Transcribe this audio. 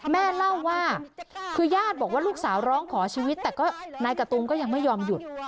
แม่เล่าว่าคือญาติบอกว่าลูกสาวร้องขอชีวิตแต่ก็นายกะตูมก็ยังไม่ยอมหยุด